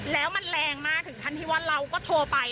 แล้วมันแรงมากถึงขั้นที่ว่าเราก็โทรไป